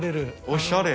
おしゃれ。